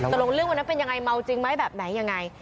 ตรงเรื่องวันนั้นเป็นยังไงเมาจริงไหมแบบไหนยังไง